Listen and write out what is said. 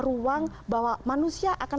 ruang bahwa manusia akan